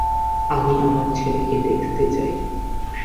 আমি আমার ছেলেকে দেখতে চাই।